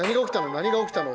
何が起きたの？